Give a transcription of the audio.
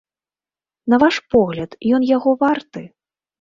На ваш погляд, ён яго варты?